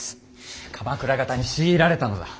鎌倉方に強いられたのだ。